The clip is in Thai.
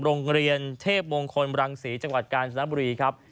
โรงเรียนเทพมงคลรังศรีจังหวัดกาญจนบุรีครับ